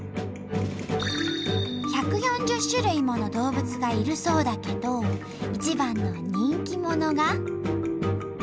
１４０種類もの動物がいるそうだけど一番の人気者が。